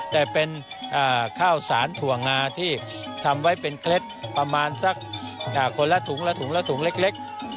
แต่เป็นข้าวสารถั่วงาที่ทำไว้เป็นเคล็ดประมาณสักคนละถุงละถุงละถุงเล็ก